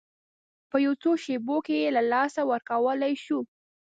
په یو څو شېبو کې یې له لاسه ورکولی شو.